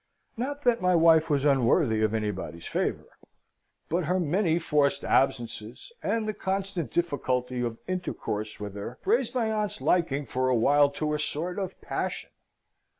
Not that my wife was unworthy of anybody's favour; but her many forced absences, and the constant difficulty of intercourse with her, raised my aunt's liking for a while to a sort of passion.